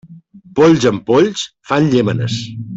Polls amb polls, fan llémenes.